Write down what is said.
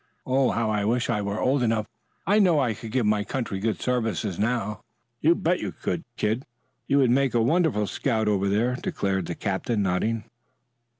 Oh how I wish I were old enough. I know I could give my country good services now." "You bet you could, Kid. You would make a wonderful scout over there," declared the captain, nodding.